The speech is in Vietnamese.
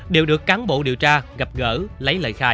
đều được cán bộ điều tra gặp gỡ lấy lời khai